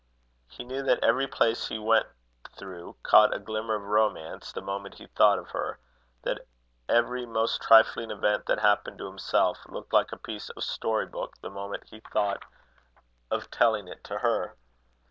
He knew that every place he went through, caught a glimmer of romance the moment he thought of her; that every most trifling event that happened to himself, looked like a piece of a story book the moment he thought of telling it to her.